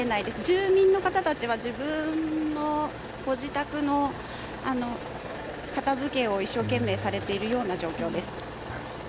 住民の方たちは自分のご自宅の片づけを一生懸命されているような状況です。